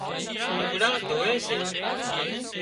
لگھڙان ڌووي سي